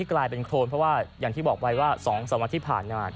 กลายเป็นโครนเพราะว่าเหมือนสองสามวันที่ผ่าน